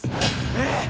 えっ！？